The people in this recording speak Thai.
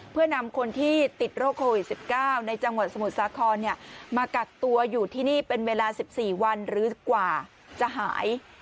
เพื่อนำคนที่ติดโรคโควิด๑๙ในจังหวัดสมุทรสาครมากักตัวอยู่ที่นี่เป็นเวลา๑๔วันหรือกว่าจะหาย